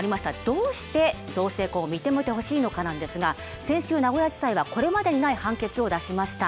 どうして同性婚を認めてほしいのかなんですが先週名古屋地裁はこれまでにない判決を出しました。